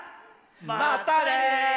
またね！